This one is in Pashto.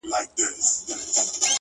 چي ته نه يې زما په ژونــــد كــــــي-